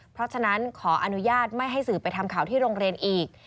เพราะฉะนั้นขออนุญาตไม่ให้สื่อไปทำข่าวที่โรงเรียนอีก